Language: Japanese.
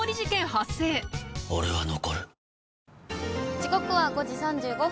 時刻は５時３５分。